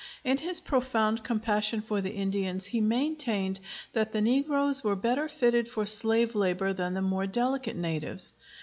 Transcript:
In his profound compassion for the Indians he maintained that the negroes were better fitted for slave labor than the more delicate natives.